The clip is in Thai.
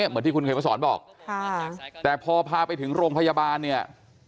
เหมือนที่คุณเขมสอนบอกแต่พอพาไปถึงโรงพยาบาลเนี่ย